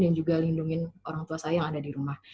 dan juga lindungi orang tua saya yang ada di rumah